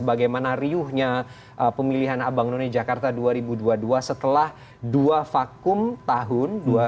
bagaimana riuhnya pemilihan abang none jakarta dua ribu dua puluh dua setelah dua vakum tahun